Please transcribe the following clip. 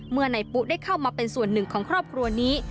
เมื่อนายปุ๊ได้เข้ามาเป็นส่วนหนึ่งของครอบครัวนี้